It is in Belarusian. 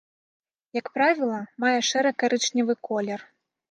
Як правіла, мае шэра-карычневы колер.